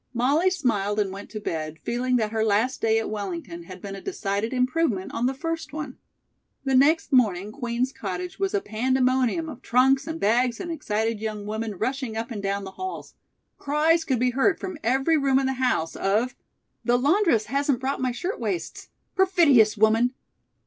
Molly smiled and went to bed, feeling that her last day at Wellington had been a decided improvement on the first one. The next morning Queen's Cottage was a pandemonium of trunks and bags and excited young women, rushing up and down the halls. Cries could be heard from every room in the house of: "The laundress hasn't brought my shirtwaists! Perfidious woman!"